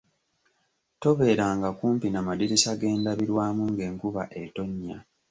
Tobeeranga kumpi n'amadirisa g'endabirwamu ng'enkuba etonnya.